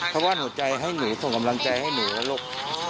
เขาว่าหัวใจให้หนูส่งกำลังใจให้หนูแล้วล่ะลูก